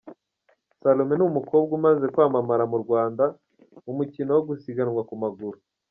Salome ni umukobwa umaze kwamamara mu Rwanda mu mukino wo gusiganwa ku maguru.